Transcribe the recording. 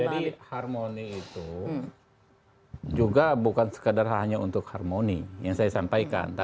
jadi harmoni itu juga bukan sekadar hanya untuk harmoni yang saya sampaikan